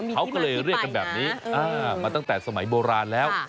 เขาก็เลยเรียกกันแบบนี้มาตั้งแต่สมัยโบราณแล้ว